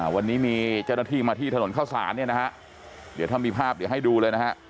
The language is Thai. วันนี้มีเจ้าหน้าที่มาที่ถนนข้าวสารถ้ามีภาพเดี๋ยวให้ดูเลยนะฮะ